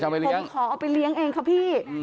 ผมขอเอาไปเลี้ยงเองครับพี่